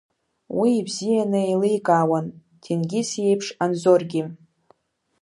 Уи ибзианы еиликаауан Ҭенгиз иеиԥш Анзоргьы.